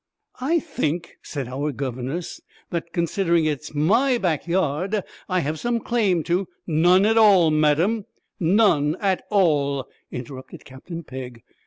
'I think,' said our governess, 'that considering it is my back yard, I have some claim to ' 'None at all, madam none at all!' interrupted Captain Pegg.